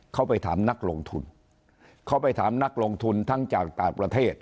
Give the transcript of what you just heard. เขาไปถามนักลงทุนเขาไปถามนักลงทุนทั้งจากต่างประเทศ